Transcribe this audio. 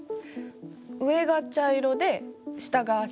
上が茶色で下が白。